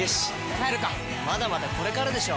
まだまだこれからでしょ！